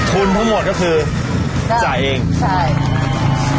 ทุนทั้งหมดก็คือจ่ายเองใช่